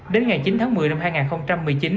đến ngày chín tháng một mươi năm hai nghìn một mươi chín